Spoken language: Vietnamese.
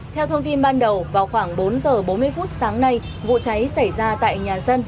theo thông tin ban đầu vào khoảng bốn giờ bốn mươi phút sáng nay vụ cháy xảy ra tại nhà dân